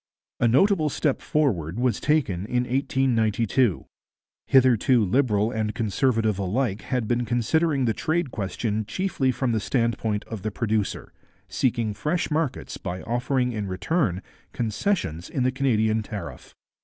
A notable step forward was taken in 1892. Hitherto Liberal and Conservative alike had been considering the trade question chiefly from the standpoint of the producer, seeking fresh markets by offering in return concessions in the Canadian tariff.